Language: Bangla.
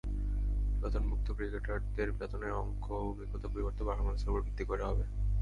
বেতনভুক্ত ক্রিকেটারদের বেতনের অঙ্কও অভিজ্ঞতার পরিবর্তে পারফরম্যান্সের ওপর ভিত্তি করে হবে।